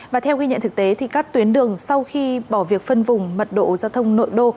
và theo ghi nhận thực tế thì các tuyến đường sau khi bỏ việc phân vùng mật độ giao thông nội đô